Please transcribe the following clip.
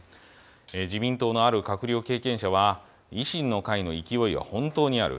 自民党のある閣僚経験者は、維新の会の勢いは本当にある。